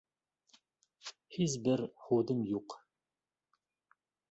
Һис бер һүҙем юҡ.